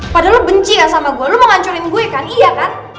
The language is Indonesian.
padahal lo benci kan sama gue lo mau nganculin gue kan iya kan